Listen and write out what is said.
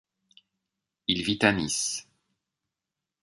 Il vit à Nice.